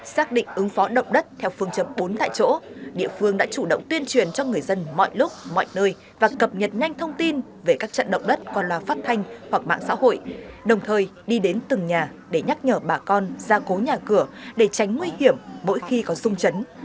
xác định ứng phó động đất theo phương châm bốn tại chỗ địa phương đã chủ động tuyên truyền cho người dân mọi lúc mọi nơi và cập nhật nhanh thông tin về các trận động đất qua loa phát thanh hoặc mạng xã hội đồng thời đi đến từng nhà để nhắc nhở bà con ra cố nhà cửa để tránh nguy hiểm mỗi khi có sung chấn